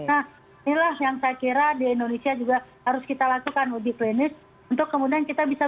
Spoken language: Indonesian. nah inilah yang saya kira di indonesia juga harus kita lakukan uji klinis